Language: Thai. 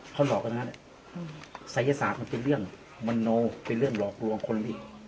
เขาหลอกกันนะสัยศาสตร์มันเป็นเรื่องมันโนเป็นเรื่องหลอกลวงคนอันนี้